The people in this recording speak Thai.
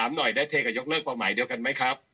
หน่อยได้เทกับยกเลิกเป้าหมายเดียวกันไหมครับ